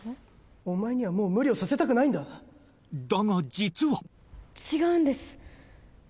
お前にはもう無理をさせたくないんだだが実は違うんです